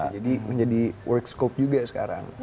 jadi menjadi work scope juga sekarang